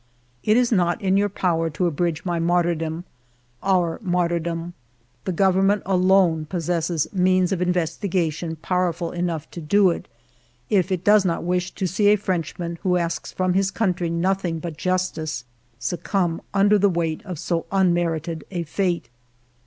" It is not in your power to abridge my martyrdom — our martyrdom. The Government alone possesses means of investigation powerful enough to do it, if it does not wish to see a Frenchman who asks from his country nothing ALFRED DREYFUS 233 but justice, succumb under the weight of so unmerited a fate.